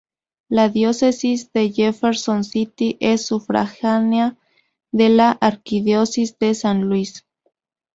La Diócesis de Jefferson City es sufragánea de la Arquidiócesis de San Luis.